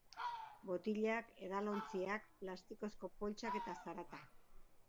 Botilak, edalontziak, plastikozko poltsak eta zarata.